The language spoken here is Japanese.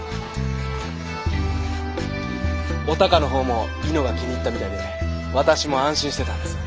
お孝の方も猪之が気に入ったみたいで私も安心してたんです。